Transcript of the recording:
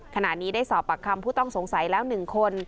ขณะนี้ได้สอบปากคำผู้ต้องสงสัยแล้ว๑คน